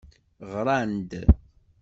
Ɣran-d.